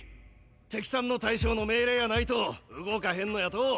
敵さんの大将の命令やないと動かへんのやと。